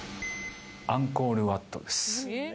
アンコールワットです。